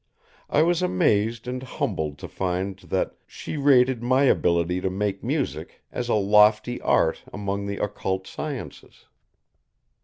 I was amazed and humbled to find that she rated my ability to make music as a lofty art among the occult sciences.